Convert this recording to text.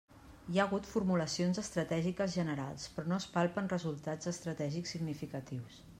Hi ha hagut formulacions estratègiques generals però no es palpen resultats estratègics significatius.